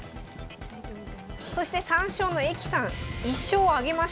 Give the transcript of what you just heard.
そして三将の役さん１勝を挙げました。